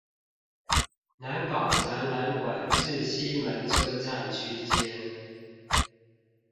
南港展覽館至西門車站區間